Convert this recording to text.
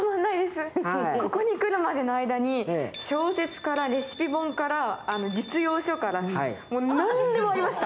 ここに来るまでの間に小説からレシピ本から実用書から、もう何でもありました